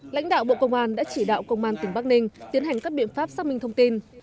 lãnh đạo bộ công an đã chỉ đạo công an tỉnh bắc ninh tiến hành các biện pháp xác minh thông tin